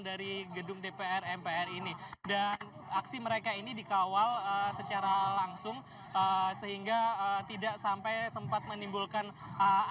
dari gedung dpr mpr ini dan aksi mereka ini dikawal secara langsung sehingga tidak sampai sempat menimbulkan